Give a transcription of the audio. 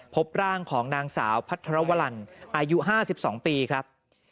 พบร่างของนางสาวพัทรวรรณอายุ๕๒ปีครับ